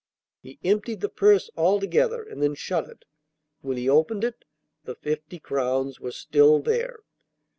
He emptied the purse altogether and then shut it; when he opened it the fifty crowns were still there!